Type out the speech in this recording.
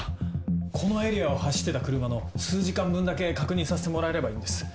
このエリアを走ってた車の数時間分だけ確認させてもらえればいいんです。